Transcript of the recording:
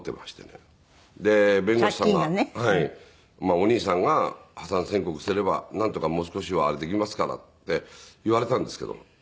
「お兄さんが破産宣告すればなんとかもう少しはできますから」って言われたんですけど。